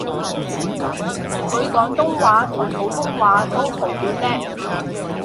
佢廣東話同普通話都好叻